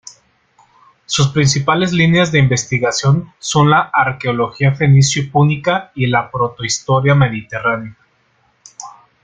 Sus principales líneas de investigación son la Arqueología fenicio-púnica y la Protohistoria mediterránea.